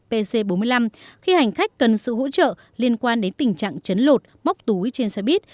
pc bốn mươi năm khi hành khách cần sự hỗ trợ liên quan đến tình trạng chấn lột móc túi trên xe buýt